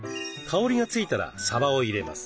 香りが付いたらさばを入れます。